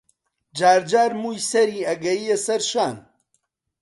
جارجار مووی سەری ئەگەییە سەر شان